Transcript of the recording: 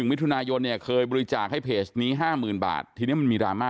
มิถุนายนเนี่ยเคยบริจาคให้เพจนี้๕๐๐๐บาททีนี้มันมีดราม่า